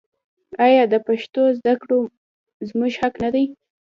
آیا د پښتو زده کړه زموږ حق نه دی؟